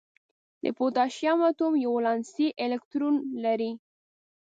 د پوتاشیم اتوم یو ولانسي الکترون لري.